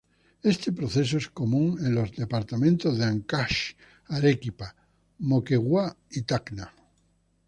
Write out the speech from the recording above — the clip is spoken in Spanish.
Este proceso es común en los departamentos de Áncash, Arequipa, Moquegua y Tacna.